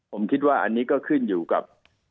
ผมคิดว่าอันนี้ก็ขึ้นอยู่กับ